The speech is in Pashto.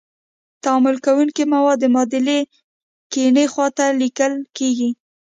تعامل کوونکي مواد د معادلې کیڼې خواته لیکل کیږي.